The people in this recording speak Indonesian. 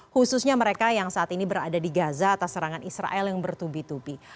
khususnya mereka yang saat ini berada di gaza atas serangan israel yang bertubi tubi